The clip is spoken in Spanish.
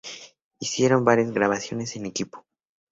Hicieron varias grabaciones en equipo.